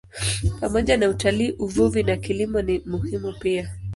Pamoja na utalii, uvuvi na kilimo ni muhimu pia.